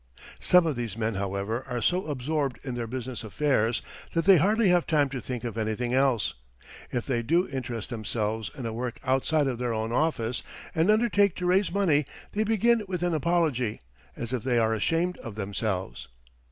Some of these men, however, are so absorbed in their business affairs that they hardly have time to think of anything else. If they do interest themselves in a work outside of their own office and undertake to raise money, they begin with an apology, as if they are ashamed of themselves.